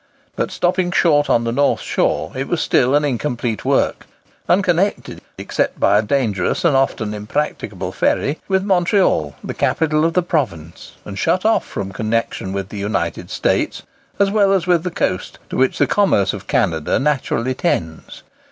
But stopping short on the north shore, it was still an incomplete work; unconnected, except by a dangerous and often impracticable ferry, with Montreal, the capital of the province, and shut off from connection with the United States, as well as with the coast to which the commerce of Canada naturally tends.